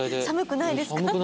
寒くないですか？